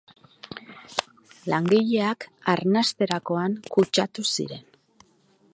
Langileak arnasterakoan kutsatu ziren.